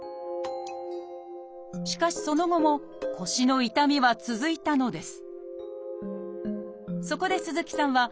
しかしその後も腰の痛みは続いたのです。